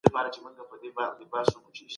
ټولنيزه بياکتنه دوهم عامل دی؟